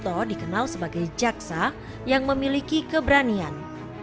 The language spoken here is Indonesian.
dan juga dikenal sebagai jaksa yang memiliki keberanian